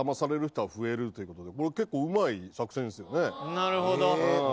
なるほど！